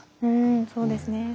うんそうですね。